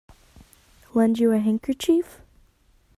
Lend you a handkerchief?